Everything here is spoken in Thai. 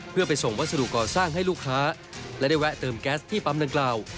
เพื่อไปส่งวัสดุก่อสร้างให้ลูกค้าและได้แวะเติมแก๊สที่ปั๊มดังกล่าว